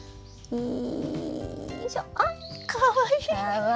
うん。